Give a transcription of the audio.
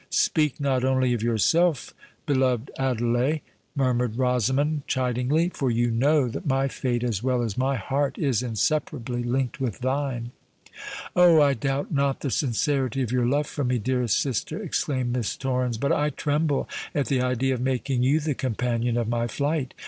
"Speak not only of yourself, beloved Adelais," murmured Rosamond chidingly; "for you know that my fate, as well as my heart, is inseparably linked with thine." "Oh! I doubt not the sincerity of your love for me, dearest sister," exclaimed Miss Torrens; "but I tremble at the idea of making you the companion of my flight.